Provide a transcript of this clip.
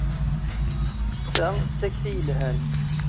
Ta d takti yelhan!